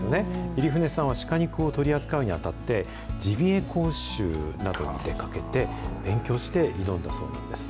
入舩さんはシカ肉を取り扱うにあたって、ジビエ講習などに出かけて、勉強して挑んだそうなんです。